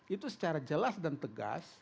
itu secara jelas dan tegas